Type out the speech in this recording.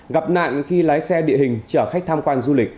gặp nạn khi lái xe địa hình chở khách tham quan du lịch